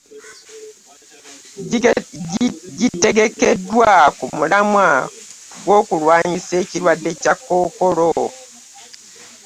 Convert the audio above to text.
Gitegekeddwa ku mulamwa ogw'okulwanyisa ekirwadde kya kkokolo.